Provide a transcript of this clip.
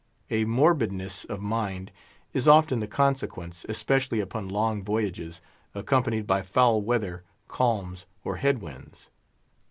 A morbidness of mind is often the consequence, especially upon long voyages, accompanied by foul weather, calms, or head winds.